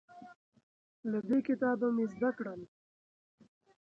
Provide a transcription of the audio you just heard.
له دې کتابه مې زده کړل